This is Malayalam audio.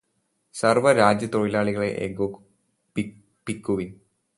സർവ്വ രാജ്യതൊഴിലാളികളേ ഏകോപിക്കുവിൻ